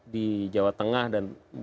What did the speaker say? di jawa tengah dan